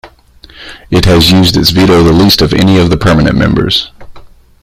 It has used its veto the least of any of the permanent members.